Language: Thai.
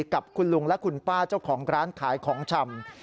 กับคุณลุงและคุณป้าเจ้าของร้านขายของชำ